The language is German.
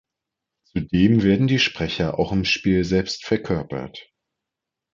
Zudem werden die Sprecher auch im Spiel selbst verkörpert.